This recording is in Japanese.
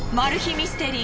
ミステリー